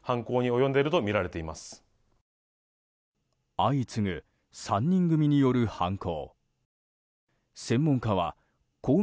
相次ぐ３人組による犯行。